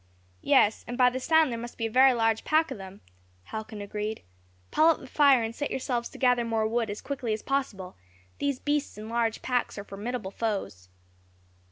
"Yes, and by the sound there must be a very large pack of them," Halcon agreed. "Pile up the fire and set yourselves to gather more wood as quickly as possible; these beasts in large packs are formidable foes."